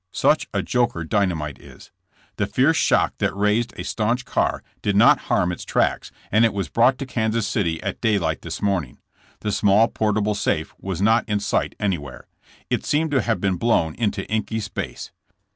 Such a joker dynamite is ! The fierce shock that razed a staunch car did not harm its trucks, and it was brought to Kansas City at daylight this morning. The small, portable safe was not in sight anywhere. It seemed to have been blown into inky space.